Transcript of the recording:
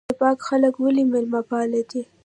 زیباک خلک ولې میلمه پال دي؟